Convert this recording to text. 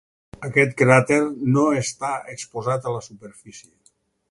Aquest cràter no està exposat a la superfície.